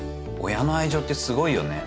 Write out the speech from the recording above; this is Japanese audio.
親の愛情ってすごいよね。